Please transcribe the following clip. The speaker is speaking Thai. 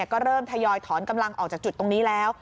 ก็เริ่มทยอยถอนกำลังออกจากจุดตรงนี้แล้ว